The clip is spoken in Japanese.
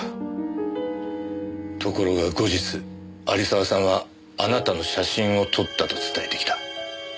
ところが後日有沢さんはあなたの写真を撮ったと伝えてきた。